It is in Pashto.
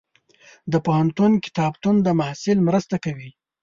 د پوهنتون کتابتون د محصل مرسته کوي.